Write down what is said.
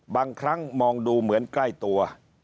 บางครั้งมองดูเหมือนใกล้ตัว